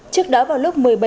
trước đó vào lúc một mươi bảy h